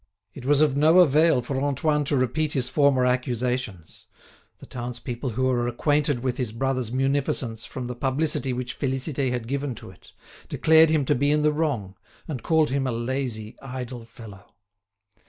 It was of no avail for Antoine to repeat his former accusations. The townspeople, who were acquainted with his brother's munificence from the publicity which Félicité had given to it, declared him to be in the wrong, and called him a lazy, idle fellow.